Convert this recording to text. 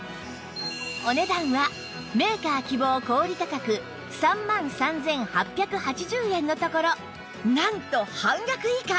お値段はメーカー希望小売価格３万３８８０円のところなんと半額以下！